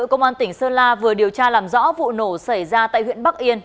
công an tỉnh sơn la vừa điều tra làm rõ vụ nổ xảy ra tại huyện bắc yên